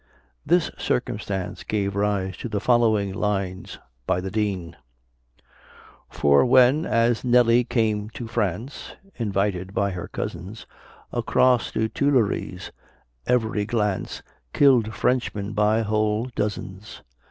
This circumstance gave rise to the following lines by the Dean: For when as Nelly came to France, (Invited by her cousins) Across the Tuileries each glance Kill'd Frenchmen by whole dozens.